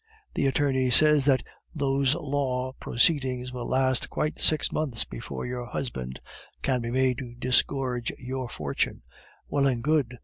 The attorney says that those law proceedings will last quite six months before your husband can be made to disgorge your fortune. Well and good.